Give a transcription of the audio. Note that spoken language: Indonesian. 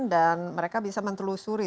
dan mereka bisa mentelusuri